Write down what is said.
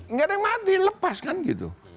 nggak ada yang mati lepas kan gitu